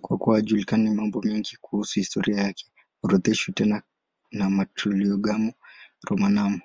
Kwa kuwa hayajulikani mengine mengi kuhusu historia yake, haorodheshwi tena na Martyrologium Romanum.